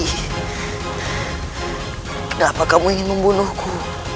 kenapa kamu ingin membunuhku